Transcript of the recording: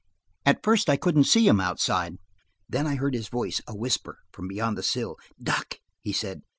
At first I could not see him, outside. Then I heard his voice, a whisper, from beyond the sill. "Duck," he said.